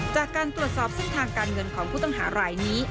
จากการตรวจสอบเส้นทางการเงินของผู้ต้องหารายนี้